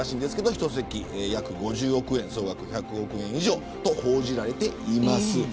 １席、約５０億円総額１００億円以上と報じられています。